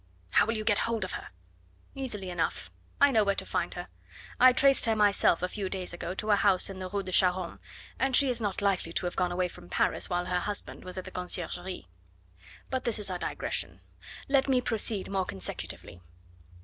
"How will you get hold of her?" "Easily enough. I know where to find her. I traced her myself a few days ago to a house in the Rue de Charonne, and she is not likely to have gone away from Paris while her husband was at the Conciergerie. But this is a digression, let me proceed more consecutively.